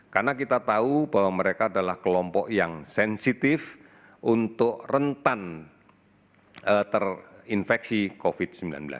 karena kita tahu bahwa mereka adalah kelompok yang sensitif untuk rentan terinfeksi covid sembilan belas